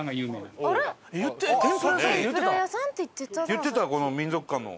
言ってたこの民俗館の。